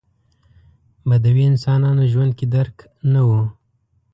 بدوي انسانانو ژوند کې درک نه و.